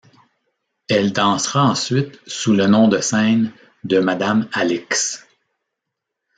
Elle dansera ensuite sous le nom de scène de Madame Alix.